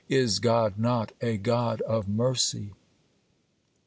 is God not a God of mercy?